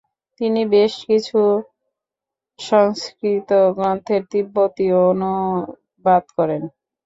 তিনি বেশ কিছু সংস্কৃত গ্রন্থের তিব্বতী অনুবাদ করেন।